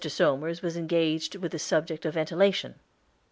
Somers was engaged with the subject of ventilation.